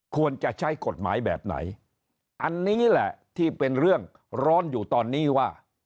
ควรจะใช้กฎหมายแบบไหนอันนี้แหละที่เป็นเรื่องร้อนอยู่ตอนนี้ว่า